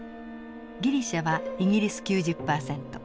ギリシャはイギリス９０パーセント。